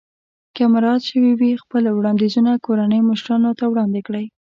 که مراعات شوي وي خپل وړاندیزونه کورنۍ مشرانو ته وړاندې کړئ.